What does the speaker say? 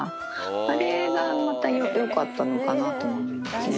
それがまたよかったのかなと思うんですね。